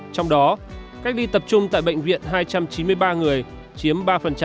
trong đó cách ly tập trung tại bệnh viện hai trăm chín mươi ba người chiếm ba